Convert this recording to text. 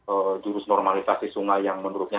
e jurus normalisasi sungai yang menurutnya